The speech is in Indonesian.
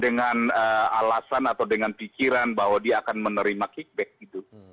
dengan alasan atau dengan pikiran bahwa dia akan menerima kickback gitu